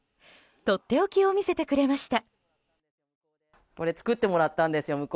とっておきを見せてくれました。